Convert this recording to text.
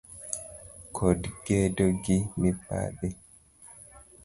kod kedo gi mibadhi.